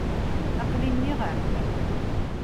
Aqli nniɣ-am-d.